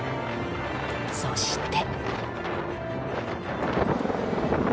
そして。